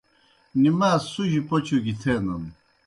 نماز سُجہ پوْچوْ گیْ تھینَن۔